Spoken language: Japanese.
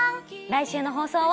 来週の放送を。